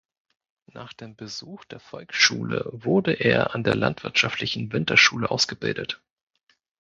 Nach dem Besuch der Volksschule wurde er an der landwirtschaftlichen Winterschule ausgebildet.